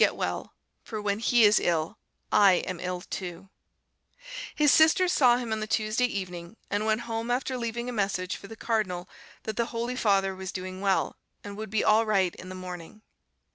"[*] His sisters saw him on the Tuesday evening, and went home after leaving a message for the cardinal that the Holy Father was doing well, and would be all right in the morning.